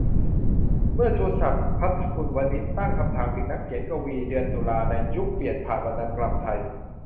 เมื่อ "ชูศักดิ์ ภัทรกุลวณิชย์" ตั้งคำถามถึงนักเขียน-กวี "เดือนตุลา" ใน "ยุคเปลี่ยนผ่านวรรณกรรมไทย"